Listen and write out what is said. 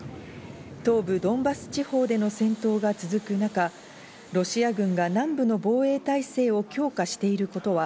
東部ドンバス地方での戦闘が続く中、ロシア軍が南部の防衛態勢を強化してることは